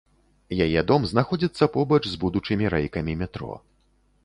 Яе дом знаходзіцца побач з будучымі рэйкамі метро.